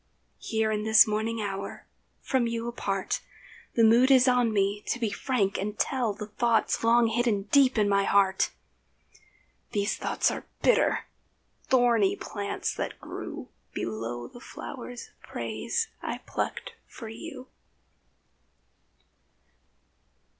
Here in this morning hour, from you apart, The mood is on me to be frank and tell The thoughts long hidden deep down in my heart. These thoughts are bitter—thorny plants, that grew Below the flowers of praise I plucked for you.